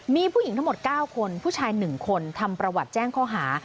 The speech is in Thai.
มีผู้หญิงทั้งหมด๙คนผู้ชาย๑คนทำประวัติแจ้งข้อหา